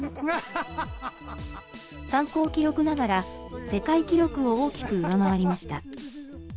参考記録ながら、世界記録を大きく上回りました。